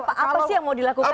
apa sih yang mau dilakukan